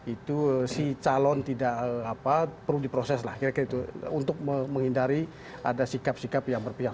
itu si calon tidak perlu diproses lah kira kira itu untuk menghindari ada sikap sikap yang berpihak